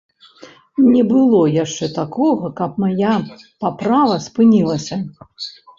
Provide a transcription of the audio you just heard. Не было яшчэ такога, каб мая паправа спынілася.